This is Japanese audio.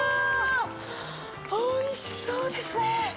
おいしそうですね！